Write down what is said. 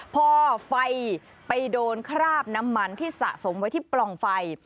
พอไฟไปโดนคราบน้ำมันที่สะสมไว้ที่ปล่องไฟ